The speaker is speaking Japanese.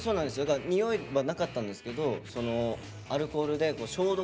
だから匂いはなかったんですけどそのアルコールで消毒消臭。